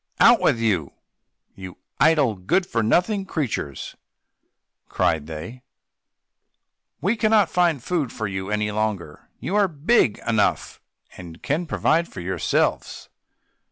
"Out with you, you idle, good for nothing creatures!" cried they; "we cannot find food for you any longer; you are big enough, and can provide for yourselves."